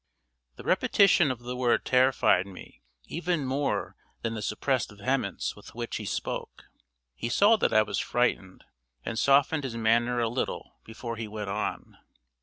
The repetition of the word terrified me even more than the suppressed vehemence with which he spoke. He saw that I was frightened, and softened his manner a little before he went on.